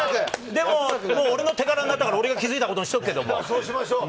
でも俺の手柄になったから、俺が気付いたことにした。